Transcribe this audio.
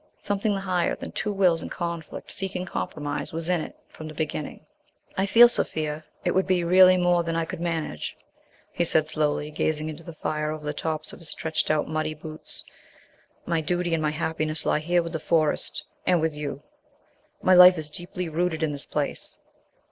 Something higher than two wills in conflict seeking compromise was in it from the beginning. "I feel, Sophia, it would be really more than I could manage," he said slowly, gazing into the fire over the tops of his stretched out muddy boots. "My duty and my happiness lie here with the Forest and with you. My life is deeply rooted in this place.